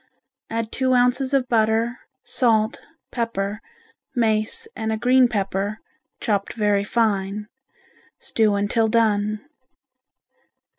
Add two ounces of butter, salt, pepper, mace and a green pepper, chopped very fine, stew until done.